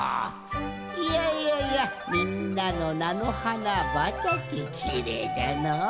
いやいやいやみんなのなのはなばたけきれいじゃのう。